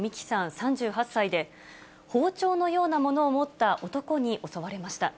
３８歳で、包丁のようなものを持った男に襲われました。